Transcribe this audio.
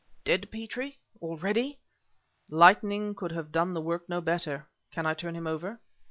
"Dead, Petrie! already?" "Lightning could have done the work no better. Can I turn him over?"